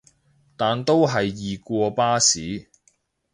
但都係易過巴士